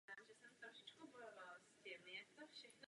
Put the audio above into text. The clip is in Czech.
Přijímáme také opatření zaměřená na starší občany.